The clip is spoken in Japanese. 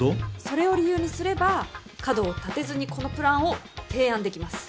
それを理由にすれば角を立てずにこのプランを提案できます。